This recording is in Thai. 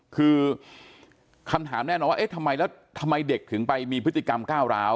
คือคำถามแน่นอนว่าเอ๊ะทำไมแล้วทำไมเด็กถึงไปมีพฤติกรรมก้าวร้าว